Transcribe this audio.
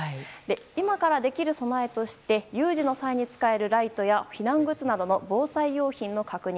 今からできる備えとして有事の際に使えるライトや避難グッズなどの防災用品の確認。